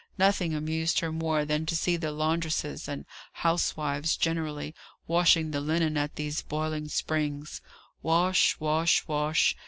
Nothing amused her more than to see the laundresses and housewives generally, washing the linen at these boiling springs; wash, wash, wash!